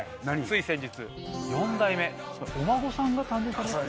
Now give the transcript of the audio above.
つい先日４代目お孫さんが誕生された？